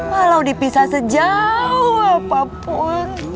malah dipisah sejauh papua